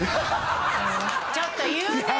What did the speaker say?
ちょっと言うね！